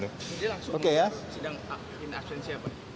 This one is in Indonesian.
jadi langsung sedang in absentia